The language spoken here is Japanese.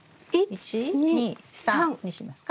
１２３にしますか？